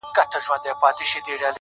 o نوي نوي تختې غواړي قاسم یاره,